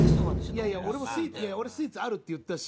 いやいや俺もスイーツいや俺スイーツあるって言ったし。